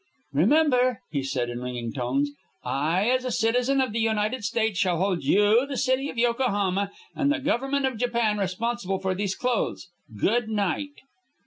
"Remember," he said in ringing tones, "I, as a citizen of the United States, shall hold you, the city of Yokohama, and the government of Japan responsible for those clothes. Good night."